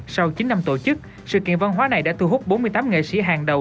sau chín năm tổ chức sự kiện văn hóa này đã thu hút bốn mươi tám nghệ sĩ hàng đầu